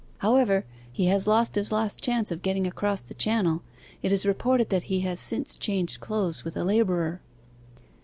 However, he has lost his last chance of getting across the Channel. It is reported that he has since changed clothes with a labourer.